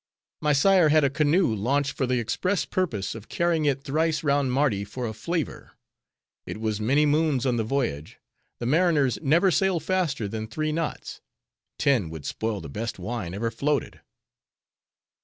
My sire had a canoe launched for the express purpose of carrying it thrice round Mardi for a flavor. It was many moons on the voyage; the mariners never sailed faster than three knots. Ten would spoil the best wine ever floated."